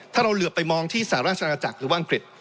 ถ้าเราเหลือไปมองที่สหราชนาจักรหรือว่าอังกฤษ